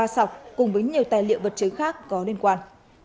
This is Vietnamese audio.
ba sọc cùng với nhiều tài liệu vật chứng khác có liên quan